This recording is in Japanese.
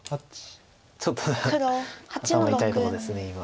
ちょっと頭の痛いとこです今。